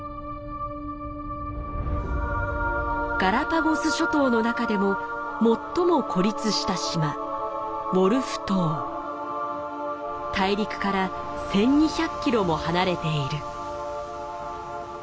ガラパゴス諸島の中でも最も孤立した島大陸から１，２００キロも離れている。